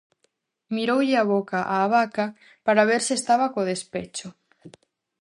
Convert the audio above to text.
Miroulle a boca á vaca para ver se estaba co despecho.